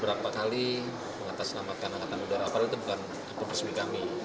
beberapa kali mengatasnamakan angkatan udara apalagi itu bukan untuk resmi kami